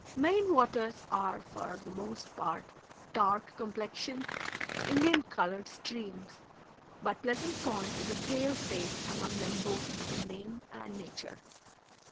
Maine waters are for the most part dark complexioned, Indian colored streams, but Pleasant Pond is a pale face among them both in name and nature.